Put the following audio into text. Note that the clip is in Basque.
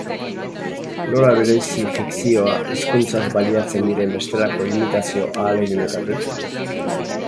Nola bereizi fikzioa hizkuntzaz baliatzen diren bestelako imitazio ahaleginetatik?